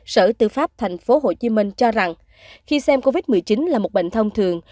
sở tư pháp tp hcm cho rằng khi xem covid một mươi chín là một bệnh thông thường